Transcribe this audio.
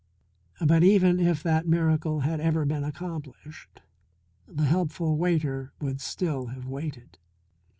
But even if that miracle had ever been accomplished the helpful waiter would still have waited.